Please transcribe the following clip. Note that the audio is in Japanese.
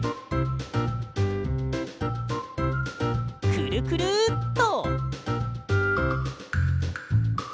くるくるっと。